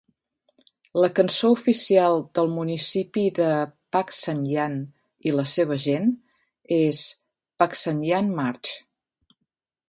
La cançó oficial del Municipi de Pagsanjan i la seva gent és "Pagsanjan March".